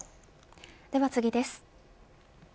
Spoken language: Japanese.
では次です。